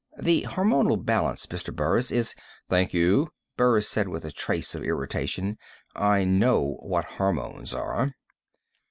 The hormonal balance, Mr. Burris, is " "Thank you," Burris said with a trace of irritation. "I know what hormones are."